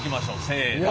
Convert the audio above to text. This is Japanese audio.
せの。